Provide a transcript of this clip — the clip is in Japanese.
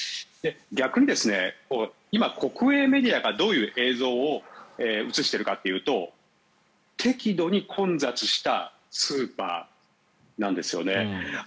逆に、今、国営メディアがどういう映像を映しているかというと適度に混雑したスーパーなんですよね。